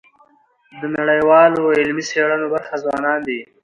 د نړیوالو علمي څيړنو برخه ځوانان دي.